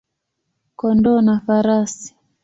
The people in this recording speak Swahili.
kondoo na farasi.